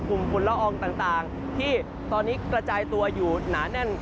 ฝุ่นละอองต่างที่ตอนนี้กระจายตัวอยู่หนาแน่น